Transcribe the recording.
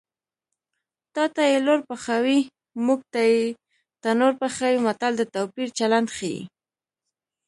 تاته یې لور پخوي موږ ته یې تنور پخوي متل د توپیر چلند ښيي